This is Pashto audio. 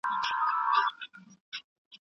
ماشوم د انا پام ځان ته راواړاوه.